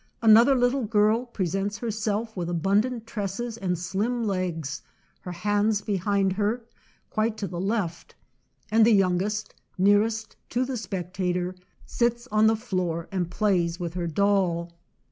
Another little girl pre sents herself, with abundant tresses and slim legs, her hands behind her, quite to the left; and the youngest, nearest to the spectator, sits on the floor and plays with her doll.